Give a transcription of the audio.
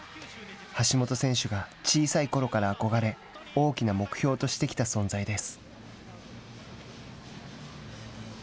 橋本選手が小さいころから憧れ大きな目標としてきた存在です。